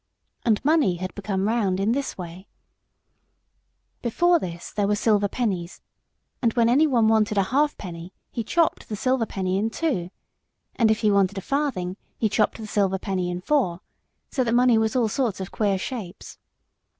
And money had become round in this way: Before this there were silver pennies, and when anyone wanted a half penny, he chopped the silver penny in two, and if he wanted a farthing he chopped the silver penny in four, so that money was all sorts of queer shapes.